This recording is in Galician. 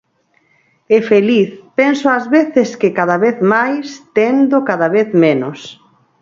E feliz, penso ás veces que cada vez máis, tendo cada vez menos.